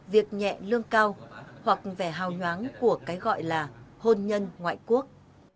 việc nhẹ lương cao hoặc vẻ hào nhoáng của cái gọi là hôn nhân ngoại quốc